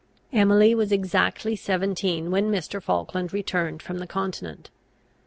Emily was exactly seventeen when Mr. Falkland returned from the continent.